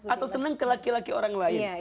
atau senang ke laki laki orang lain